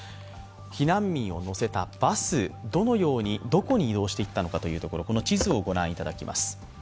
避難民を乗せたバス、どのように、どこに移動していったのかというところ、この地図をご覧いただきます。